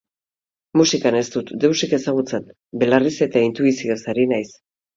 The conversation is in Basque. Musikan ez dut deusik ezagutzen, belarriz eta intuizioz ari naiz.